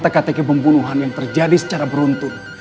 sekarang teka teki pembunuhan yang terjadi secara beruntung